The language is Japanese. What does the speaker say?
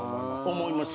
思います。